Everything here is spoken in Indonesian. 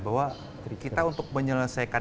bahwa kita untuk menyelesaikan